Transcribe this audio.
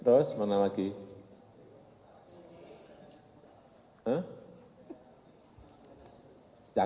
aceh sampai medan